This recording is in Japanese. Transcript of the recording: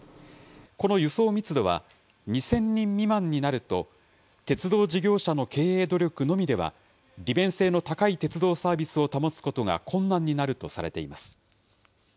この輸送密度は、２０００人未満になると、鉄道事業者の経営努力のみでは、利便性の高い鉄道サービスを保つことが困難になるとされています。